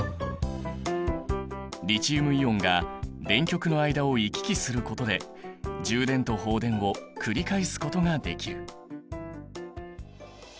リチウムイオンが電極の間を行き来することで充電と放電を繰り返すことができる。